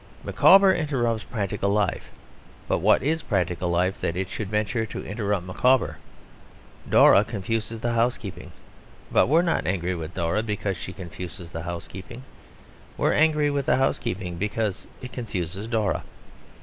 Micawber interrupts practical life; but what is practical life that it should venture to interrupt Micawber? Dora confuses the housekeeping; but we are not angry with Dora because she confuses the housekeeping. We are angry with the housekeeping because it confuses Dora.